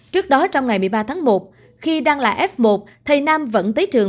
trước đó trong ngày một mươi ba tháng một khi đang là f một thầy nam vẫn tới trường